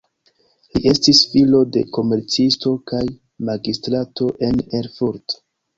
Li estis filo de komercisto kaj magistrato en Erfurt.